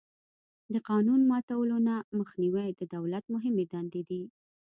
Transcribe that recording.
د قانون ماتولو نه مخنیوی د دولت مهمې دندې دي.